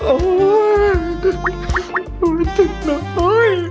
โอ้ยจัดกะมากนี้เนอะ